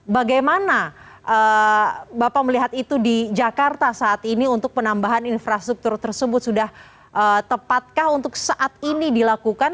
bagaimana bapak melihat itu di jakarta saat ini untuk penambahan infrastruktur tersebut sudah tepatkah untuk saat ini dilakukan